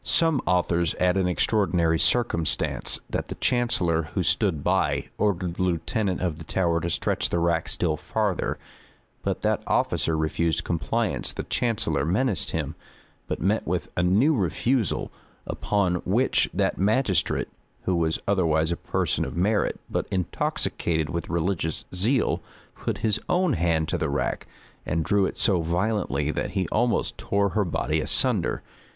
Some authors[*] add an extraordinary circumstance; that the chancellor, who stood by, ordered the lieutenant of the Tower to stretch the rack still farther; but that officer refused compliance the chancellor menaced him, but met with a new refusal; upon which that magistrate, who was otherwise a person of merit, but intoxicated with religious zeal, put his own hand to the rack, and drew it so violently that he almost tore her body asunder.